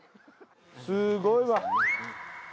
すごいわ。